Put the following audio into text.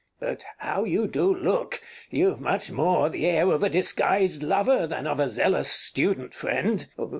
But how you do look! You've much more the air of a disguised lover than of a zealous student friend.